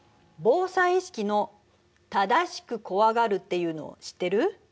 防災意識の「正しく怖がる」っていうの知ってる？